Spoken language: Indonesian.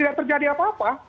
tidak terjadi apa apa